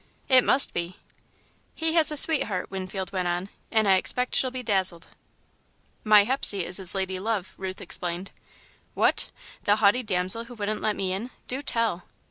"It must be." "He has a sweetheart," Winfield went on, "and I expect she'll be dazzled." "My Hepsey is his lady love," Ruth explained. "What? The haughty damsel who wouldn't let me in? Do tell!"